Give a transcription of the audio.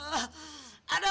aduh umi tuh